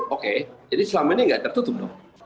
oke jadi selama ini nggak tertutup dong